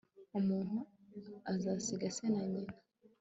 umuntu azasiga se na nyina